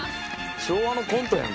昭和のコントやん